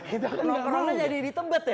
kita kan gak mau nongkrongnya jadi ditebet ya